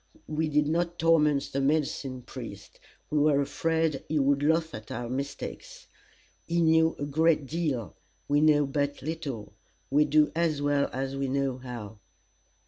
We did not torment the medicine priest. We were afraid he would laugh at our mistakes. He knew a great deal. We know but little. We do as well as we know how.